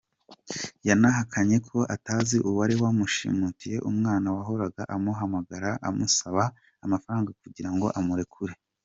Yahakanye ko atazi uwari wamushimutiye umwana wahoraga amuhamagara amusaba amafaranga kugira ngo amurekure.